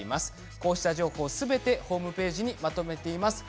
こうした情報、すべてホームページでまとめています。